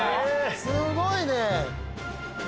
すごいね！